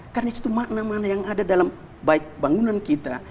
karena itu makna makna yang ada dalam baik bangunan kita